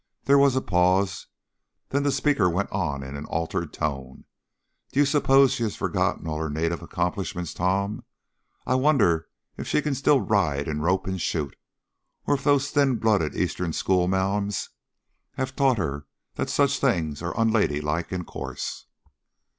There was a pause; then the speaker went on in an altered tone: "D'you suppose she has forgotten all her native accomplishments, Tom? I wonder if she can still ride and rope and shoot, or if those thin blooded Eastern schoolma'ams have taught her that such things are unladylike and coarse."